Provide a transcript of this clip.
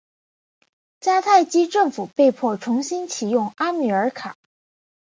迦太基政府被迫重新起用哈米尔卡。